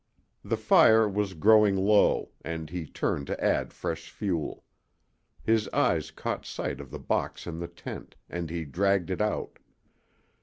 The fire was growing low, and he turned to add fresh fuel. His eyes caught sight of the box in the tent, and he dragged it out.